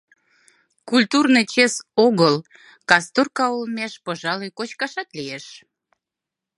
Культурный чес огыл — касторка олмеш, пожалуй, кочкашат лиеш!..